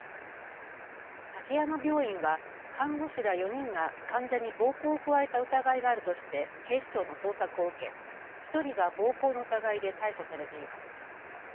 滝山病院は看護師ら４人が患者に暴行を加えた疑いがあるとして警視庁の捜索を受け１人が暴行の疑いで逮捕されています。